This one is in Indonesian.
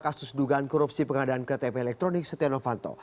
kasus dugaan korupsi pengadaan ktp elektronik setia novanto